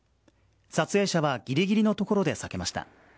撮影者はぎりぎりのところで避けました。